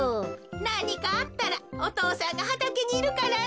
なにかあったらお父さんがはたけにいるからね。